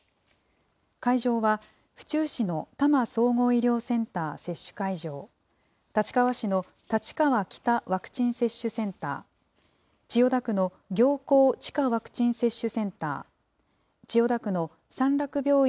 会場は、府中市の多摩総合医療センター接種会場、立川市の立川北ワクチン接種センター、千代田区の行幸地下ワクチン接種センター、千代田区の三楽病院